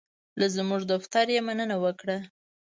له زمونږ دفتر یې مننه وکړه.